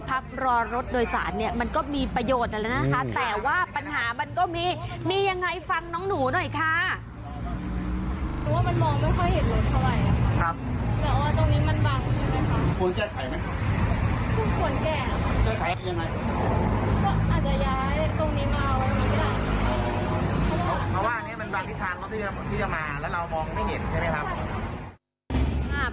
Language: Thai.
เพราะว่าอันนี้มันบางที่ทางเขาที่จะมาแล้วเรามองไม่เห็นใช่ไหมครับ